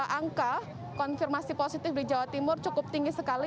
angka konfirmasi positif di jawa timur cukup tinggi sekali